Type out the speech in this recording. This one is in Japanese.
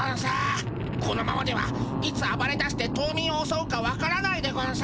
このままではいつあばれだして島民をおそうかわからないでゴンス。